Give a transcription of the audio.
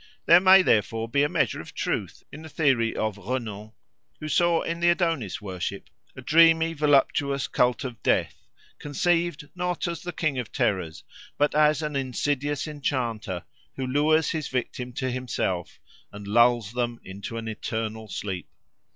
There may therefore be a measure of truth in the theory of Renan, who saw in the Adonis worship a dreamy voluptuous cult of death, conceived not as the King of Terrors, but as an insidious enchanter who lures his victims to himself and lulls them into an eternal sleep.